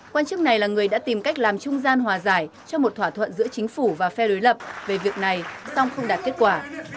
quan chức này là người đã tìm cách làm trung gian hòa giải cho một thỏa thuận giữa chính phủ và phe đối lập về việc này song không đạt kết quả